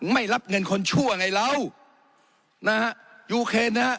ไม่รับเงินคนชั่วไงเรานะฮะยูเคนนะฮะ